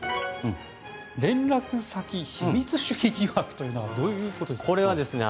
連絡先秘密主義疑惑というのはどういうことですか？